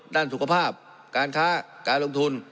ด้านสุขภาพการค้าการลงทุน